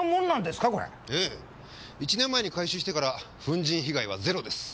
１年前に改修してから粉塵被害はゼロです。